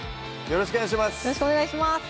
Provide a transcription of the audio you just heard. よろしくお願いします